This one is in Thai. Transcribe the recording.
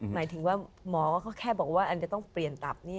หมายถึงว่าหมอก็แค่บอกว่าอันจะต้องเปลี่ยนตับ